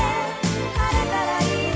「晴れたらいいね」